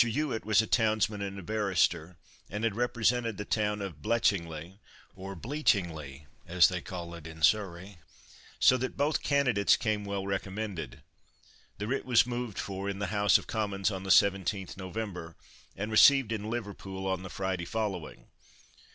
Ewart was a townsman, and a barrister, and had represented the town of Bletchingly (or Bl_ee_ching_ly_, as they call it in Surrey), so that both candidates came well recommended. The writ was moved for in the House of Commons on the 17th November, and received in Liverpool on the Friday following.